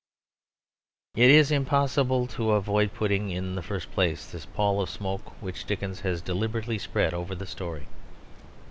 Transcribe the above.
It is impossible to avoid putting in the first place this pall of smoke which Dickens has deliberately spread over the story.